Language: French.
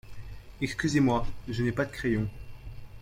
Excusez-moi, je n'ai pas de crayon.